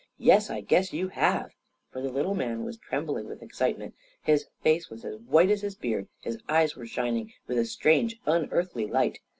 "Yes, I guess you have!" For the little man was trembling with excite ment; his face was as white as his beard; his eyes were shining with a strange, unearthly light.